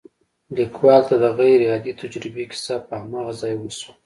ليکوال ته د غير عادي تجربې کيسه په هماغه ځای وشوه.